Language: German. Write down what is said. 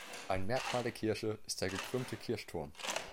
Ein Merkmal der Kirche ist der gekrümmte Kirchturm.